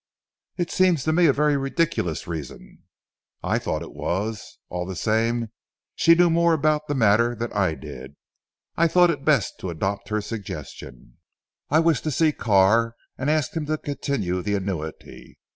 "It seems to me a very ridiculous reason." "I thought it was. All the same as she knew more about the matter than I did, I thought it best to adopt her suggestion. I wished to see Carr and ask him to continue the annuity.